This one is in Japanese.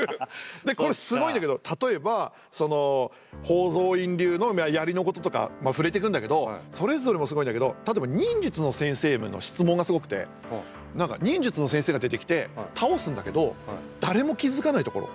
でこれすごいんだけど例えばその宝蔵院流の槍のこととか触れていくんだけどそれぞれもすごいんだけど例えば忍術の先生への質問がすごくて忍術の先生が出てきて倒すんだけど誰も気付かないところ。